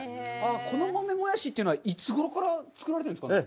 この豆もやしというのはいつごろから作られているんですか？